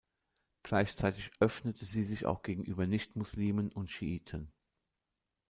Gleichzeitig öffnete sie sich auch gegenüber Nicht-Muslimen und Schiiten.